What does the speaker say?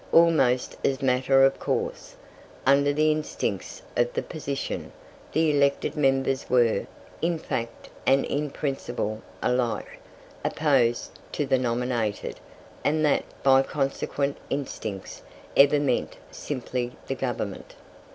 Almost as matter of course, under the instincts of the position, the elected members were, in fact and in principle alike, opposed to the nominated; and that, by consequent instincts, ever meant simply the Government.